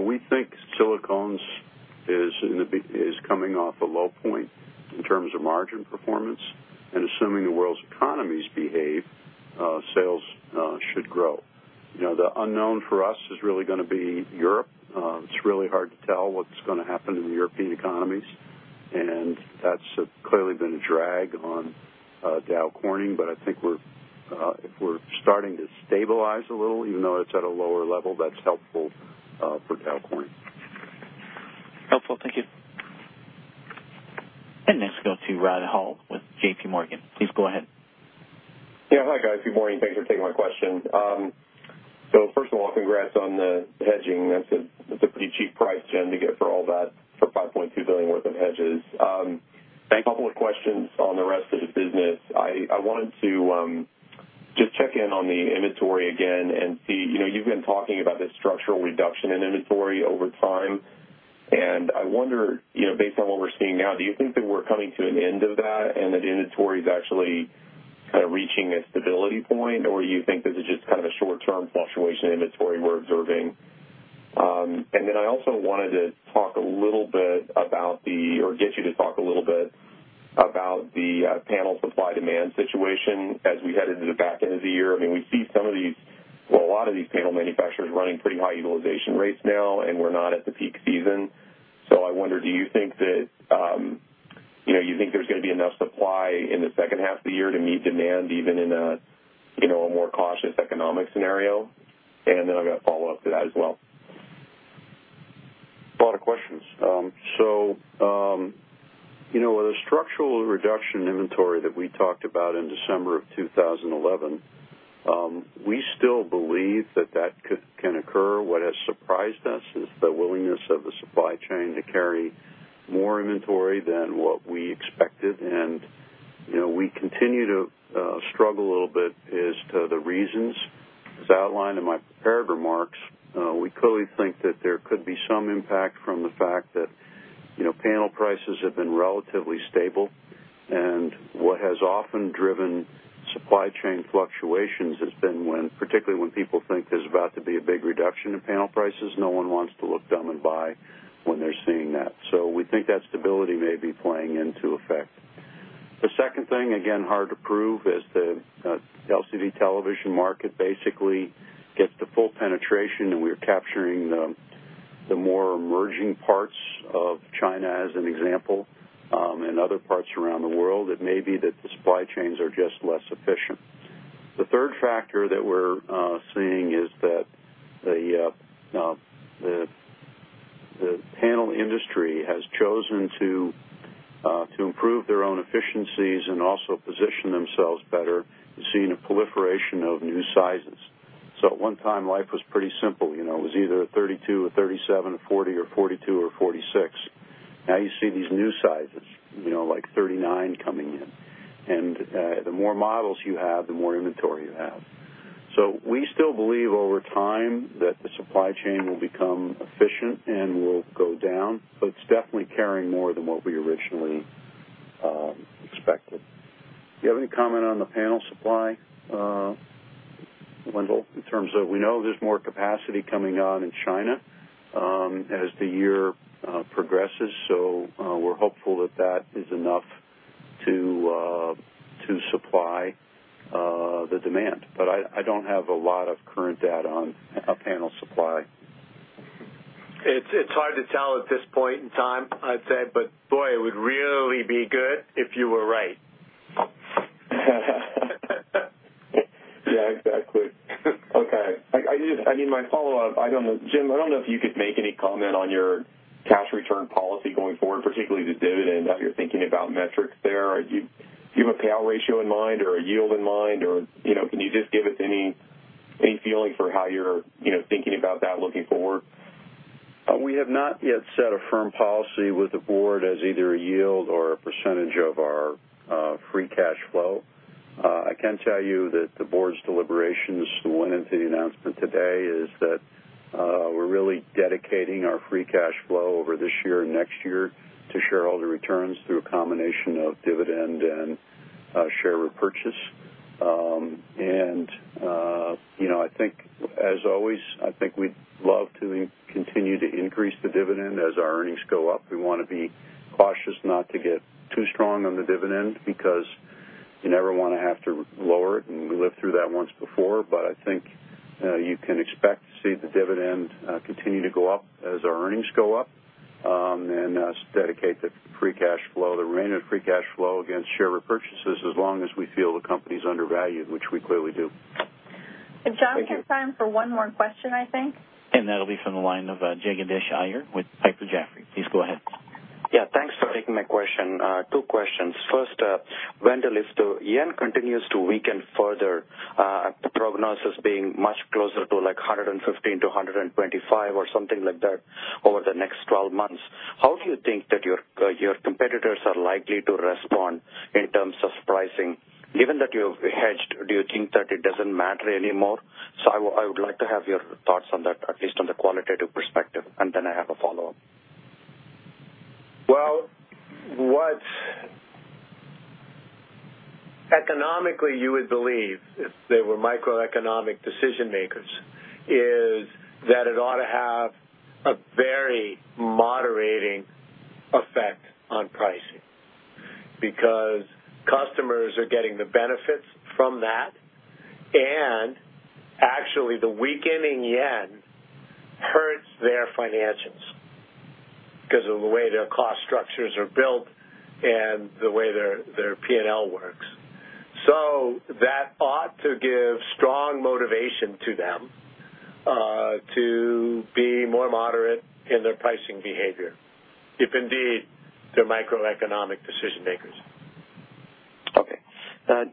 D: We think silicones is coming off a low point in terms of margin performance. Assuming the world's economies behave, sales should grow. The unknown for us is really going to be Europe. It's really hard to tell what's going to happen in the European economies, and that's clearly been a drag on Dow Corning. I think if we're starting to stabilize a little, even though it's at a lower level, that's helpful for Dow Corning.
K: Helpful. Thank you.
A: Next, we'll go to Rod Hall with JPMorgan. Please go ahead.
M: Hi, guys. Good morning. Thanks for taking my question. First of all, congrats on the hedging. That's a pretty cheap price, Jim, to get for all that, for $5.2 billion worth of hedges.
D: Thanks.
M: A couple of questions on the rest of the business. I wanted to just check in on the inventory again and see. You've been talking about this structural reduction in inventory over time. I wonder, based on what we're seeing now, do you think that we're coming to an end of that and that inventory is actually kind of reaching a stability point? You think this is just kind of a short-term fluctuation in inventory we're observing? I also wanted to talk a little bit about the, or get you to talk a little bit about the panel supply-demand situation as we head into the back end of the year. We see a lot of these panel manufacturers running pretty high utilization rates now, and we're not at the peak season. I wonder, do you think there's going to be enough supply in the second half of the year to meet demand, even in a more cautious economic scenario? I've got a follow-up to that as well.
D: With the structural reduction inventory that we talked about in December of 2011, we still believe that that can occur. What has surprised us is the willingness of the supply chain to carry more inventory than what we expected, and we continue to struggle a little bit as to the reasons. As outlined in my prepared remarks, we clearly think that there could be some impact from the fact that panel prices have been relatively stable. What has often driven supply chain fluctuations has been when, particularly when people think there's about to be a big reduction in panel prices. No one wants to look dumb and buy when they're seeing that. We think that stability may be playing into effect. The second thing, again, hard to prove, is the LCD television market basically gets to full penetration, and we are capturing the more emerging parts of China, as an example, and other parts around the world. It may be that the supply chains are just less efficient. The third factor that we're seeing is that the panel industry To improve their own efficiencies and also position themselves better, we're seeing a proliferation of new sizes. At one time, life was pretty simple. It was either 32 or 37 or 40 or 42 or 46. Now you see these new sizes, like 39 coming in. The more models you have, the more inventory you have. We still believe over time that the supply chain will become efficient and will go down, but it's definitely carrying more than what we originally expected. Do you have any comment on the panel supply, Wendell? In terms of, we know there's more capacity coming on in China as the year progresses, we're hopeful that that is enough to supply the demand. I don't have a lot of current data on panel supply.
C: It's hard to tell at this point in time, I'd say, boy, it would really be good if you were right.
M: Yeah, exactly. Okay. I need my follow-up. Jim, I don't know if you could make any comment on your cash return policy going forward, particularly the dividend, how you're thinking about metrics there. Do you have a payout ratio in mind or a yield in mind, or can you just give us any feeling for how you're thinking about that looking forward?
D: We have not yet set a firm policy with the board as either a yield or a percentage of our free cash flow. I can tell you that the board's deliberations that went into the announcement today is that we're really dedicating our free cash flow over this year and next year to shareholder returns through a combination of dividend and share repurchase. I think as always, we'd love to continue to increase the dividend as our earnings go up. We want to be cautious not to get too strong on the dividend because you never want to have to lower it, and we lived through that once before. I think you can expect to see the dividend continue to go up as our earnings go up, and us dedicate the free cash flow, the remainder of the free cash flow, against share repurchases as long as we feel the company's undervalued, which we clearly do.
M: Thank you.
B: John, we have time for one more question, I think.
A: That'll be from the line of Jagadish Iyer with Piper Jaffray. Please go ahead.
N: Yeah, thanks for taking my question. Two questions. First, Wendell, if the yen continues to weaken further, the prognosis being much closer to 115 to 125 or something like that over the next 12 months, how do you think that your competitors are likely to respond in terms of pricing? Given that you have hedged, do you think that it doesn't matter anymore? I would like to have your thoughts on that, at least from the qualitative perspective, and then I have a follow-up.
C: Well, what economically you would believe, if they were microeconomic decision-makers, is that it ought to have a very moderating effect on pricing, because customers are getting the benefits from that, and actually, the weakening yen hurts their financials because of the way their cost structures are built and the way their P&L works. That ought to give strong motivation to them to be more moderate in their pricing behavior, if indeed they're microeconomic decision-makers.
N: Okay.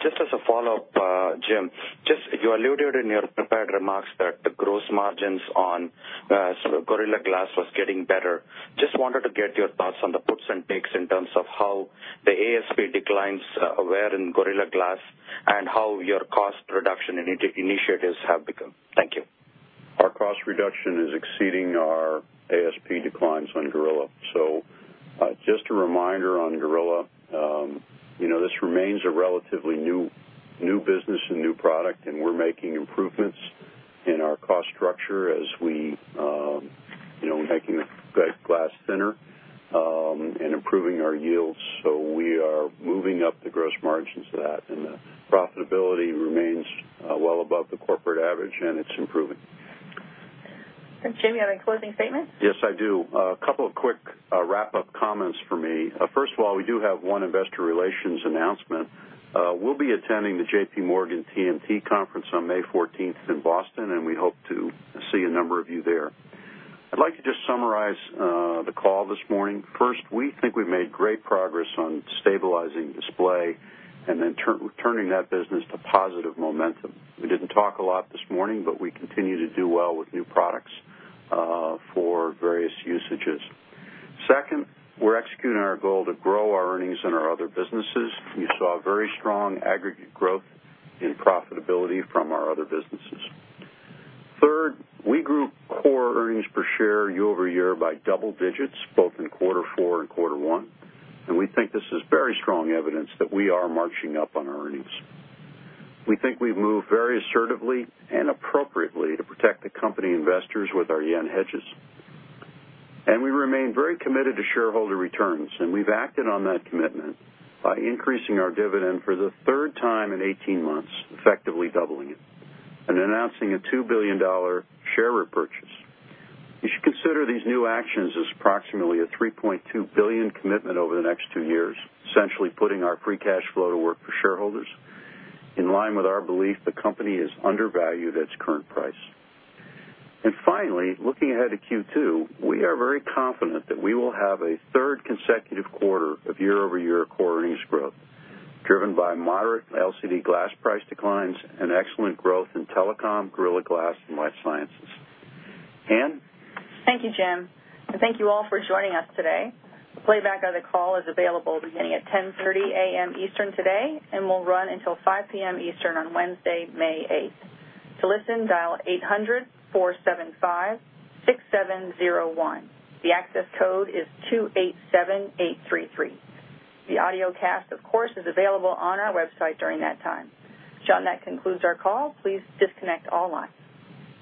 N: Just as a follow-up, Jim, you alluded in your prepared remarks that the gross margins on Gorilla Glass was getting better. Just wanted to get your thoughts on the puts and takes in terms of how the ASP declines were in Gorilla Glass and how your cost reduction initiatives have become. Thank you.
D: Our cost reduction is exceeding our ASP declines on Gorilla. Just a reminder on Gorilla. This remains a relatively new business and new product, and we're making improvements in our cost structure as we making the glass thinner, and improving our yields. We are moving up the gross margins to that, and the profitability remains well above the corporate average, and it's improving.
B: Jim, you have a closing statement?
D: Yes, I do. A couple of quick wrap-up comments for me. First of all, we do have one investor relations announcement. We'll be attending the JPMorgan TMT conference on May 14th in Boston, and we hope to see a number of you there. I'd like to just summarize the call this morning. First, we think we've made great progress on stabilizing display and then turning that business to positive momentum. We didn't talk a lot this morning, but we continue to do well with new products for various usages. Second, we're executing our goal to grow our earnings in our other businesses. You saw very strong aggregate growth in profitability from our other businesses. Third, we grew core earnings per share year-over-year by double digits, both in Q4 and Q1. We think this is very strong evidence that we are marching up on our earnings. We think we've moved very assertively and appropriately to protect the company investors with our yen hedges. We remain very committed to shareholder returns, and we've acted on that commitment by increasing our dividend for the third time in 18 months, effectively doubling it, and announcing a $2 billion share repurchase. You should consider these new actions as approximately a $3.2 billion commitment over the next two years, essentially putting our free cash flow to work for shareholders in line with our belief the company is undervalued at its current price. Finally, looking ahead to Q2, we are very confident that we will have a third consecutive quarter of year-over-year core earnings growth, driven by moderate LCD glass price declines and excellent growth in telecom, Gorilla Glass, and life sciences. Anne?
B: Thank you, Jim, and thank you all for joining us today. A playback of the call is available beginning at 10:30 A.M. Eastern today and will run until 5:00 P.M. Eastern on Wednesday, May 8th. To listen, dial 800-475-6701. The access code is 287833. The audiocast, of course, is available on our website during that time. John, that concludes our call. Please disconnect all lines.